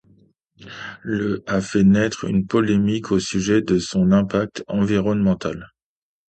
Le ' a fait naître une polémique au sujet de son impact environnemental.